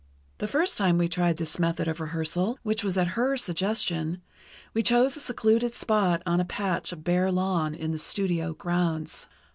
The first time we tried this method of rehearsal, which was at her suggestion, we chose a secluded spot on a patch of bare lawn in the studio grounds.